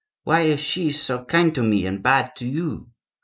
Why is she so kind to me, and bad to you?